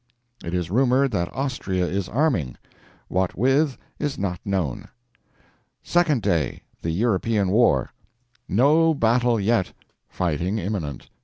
It is rumoured that Austria is arming what with, is not known. ....................... Second Day THE EUROPEAN WAR NO BATTLE YET! FIGHTING IMMINENT.